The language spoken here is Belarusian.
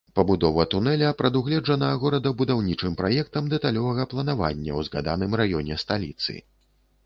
Пабудова тунэля прадугледжана горадабудаўнічым праектам дэталёвага планавання ў згаданым раёне сталіцы.